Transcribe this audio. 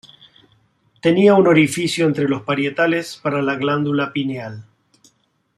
Tenía un orificio entre los parietales para la glándula pineal.